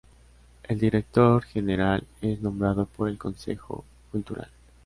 El Director General es nombrado por el Consejo Cultural.